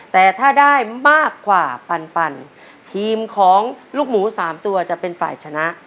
แต่ถ้าได้มากกว่าปันปันทีมของลูกหมูสามตัวจะเป็นฝ่ายชนะ